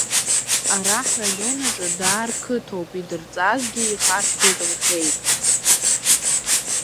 Ара ҳраион аҿы даар қыҭоуп идырҵазгьы ихашҭуеит лҳәеит.